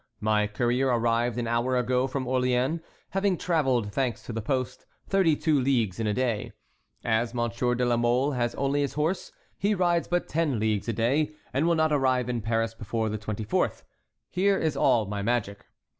My courier arrived an hour ago from Orléans, having travelled, thanks to the post, thirty two leagues in a day. As M. de la Mole has only his own horse, he rides but ten leagues a day, and will not arrive in Paris before the 24th. Here is all my magic."